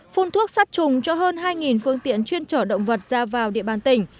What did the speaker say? phun thuốc sát trùng cho hơn hai phương tiện chuyên trở động vật ra vào địa bàn tỉnh